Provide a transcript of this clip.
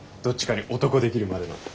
どっちかに男できるまでの。